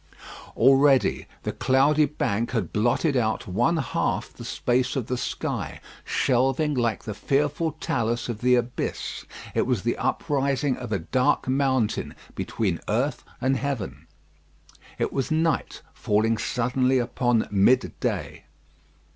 Already the cloudy bank had blotted out one half the space of the sky: shelving like the fearful talus of the abyss. It was the uprising of a dark mountain between earth and heaven. It was night falling suddenly upon midday.